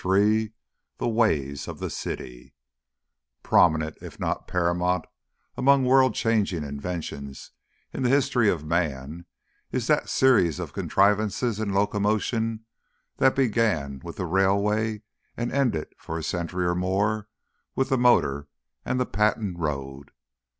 III THE WAYS OF THE CITY Prominent if not paramount among world changing inventions in the history of man is that series of contrivances in locomotion that began with the railway and ended for a century or more with the motor and the patent road.